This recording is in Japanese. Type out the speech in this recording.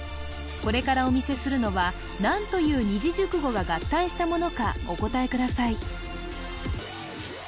これからお見せするのは何という二字熟語が合体したものかお答えください